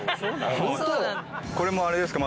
ホント⁉これもあれですか？